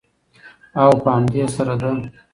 او په همدې سره د